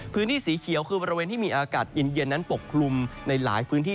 พื้นที่สีเขียวคือบริเวณที่มีอากาศเย็นนั้นปกคลุมในหลายพื้นที่